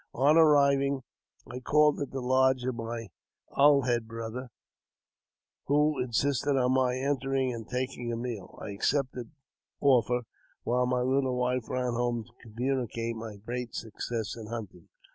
0^ arriving, I called at the lodge of my alhed brother, wl insisted on my entering and taking a meal. I accepted offer, while my little wife ran home to communicate my gre£ success in hunting.